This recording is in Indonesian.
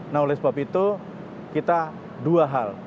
nah oleh sebab itu kita dua hal